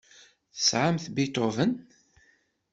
Tesɛamt Beethoven?